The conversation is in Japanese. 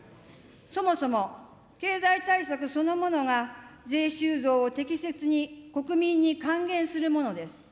そもそも経済対策そのものが税収増を適切に国民に還元するものです。